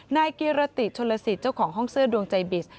นายเกราะติชนศิษฐ์เจ้าของห้องเสื้อดวงใจบิษฐ์